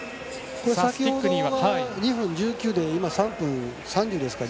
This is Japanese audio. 先ほどは２分１９で今、３分３０ですから。